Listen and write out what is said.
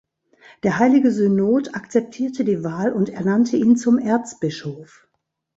Der Heilige Synod akzeptierte die Wahl und ernannte ihn zum Erzbischof.